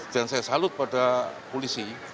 dan saya salut pada polisi